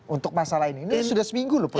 untuk masalah ini ini sudah seminggu loh pak